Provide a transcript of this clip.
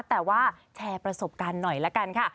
แต่ว่าแชร์ประสบการณ์หน่อยละกันค่ะ